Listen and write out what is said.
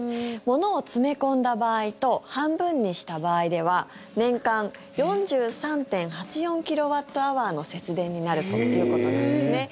物を詰め込んだ場合と半分にした場合では年間４３．８４キロワットアワーの節電になるということです。